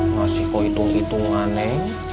masih kok hitung hitungan neng